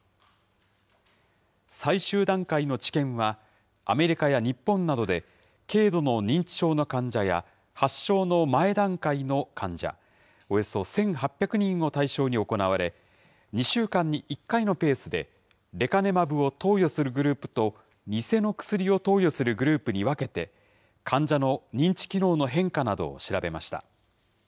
最終段階の治験は、アメリカや日本などで、軽度の認知症の患者や、発症の前段階の患者、およそ１８００人を対象に行われ、２週間に１回のペースで、レカネマブを投与するグループと偽の薬を投与するグループに分けて、患者の認知機能の変化などを調べました。